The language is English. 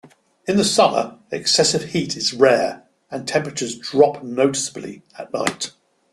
In the summer, excessive heat is rare and temperatures drop noticeably at night.